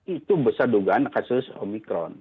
itu besar dugaan kasus omikron